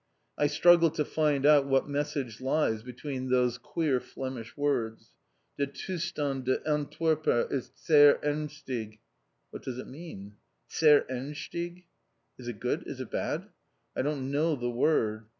I struggle to find out what message lies behind those queer Flemish words. De Toestand Te Antwerpen Is Zeer Ernstig. What does it mean? Zeer Ernstig? Is it good? Is it bad? I don't know the word.